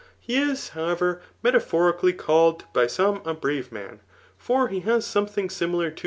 He is, howevar, metaphorically by some a brave man, fbr he has something stmtfaur ip.